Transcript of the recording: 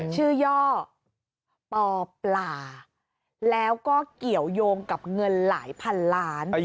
ย่อปอปลาแล้วก็เกี่ยวยงกับเงินหลายพันล้าน